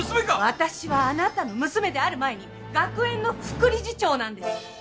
私はあなたの娘である前に学園の副理事長なんです！